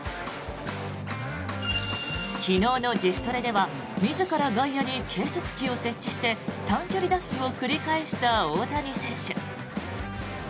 昨日の自主トレでは自ら外野に計測器を設置して短距離ダッシュを繰り返した大谷選手。